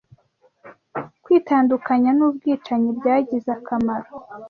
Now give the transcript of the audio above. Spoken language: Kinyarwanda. kwitandukanya n ubwicanyi byagize akamaro